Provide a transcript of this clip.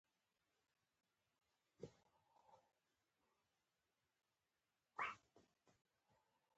د غالۍ پاک ساتنه د روغتیا لپاره ضروري ده.